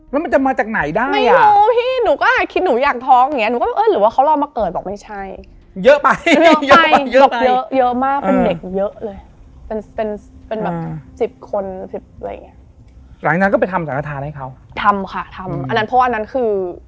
แล้วมันจะมาจากไหนได้